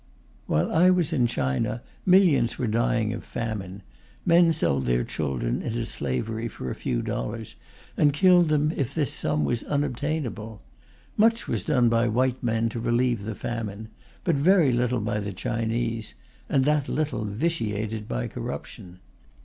While I was in China, millions were dying of famine; men sold their children into slavery for a few dollars, and killed them if this sum was unobtainable. Much was done by white men to relieve the famine, but very little by the Chinese, and that little vitiated by corruption.